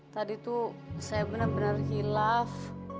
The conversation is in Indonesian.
tadi tuh saya bener bener hilaf